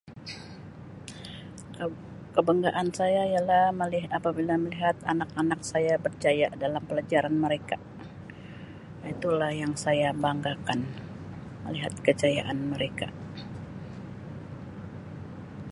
Um Kebanggaan saya ialah melihat, apabila melihat anak-anak saya berjaya dalam pelajaran mereka itulah yang saya banggakan melihat kejayaan mereka.